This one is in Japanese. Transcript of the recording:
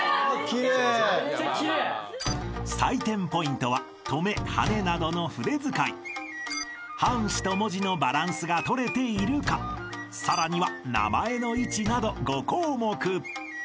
［採点ポイントはトメハネなどの筆遣い半紙と文字のバランスがとれているかさらには名前の位置など５項目］